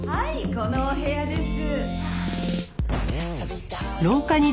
このお部屋です。